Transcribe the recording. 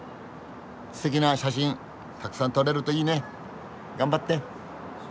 すてきな写真たくさん撮れるといいね。頑張って。